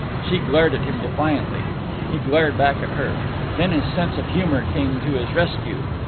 She glared at him defiantly. He glared back at her. Then his sense of humour came to his rescue.